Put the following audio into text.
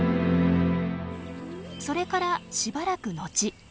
それからしばらく後。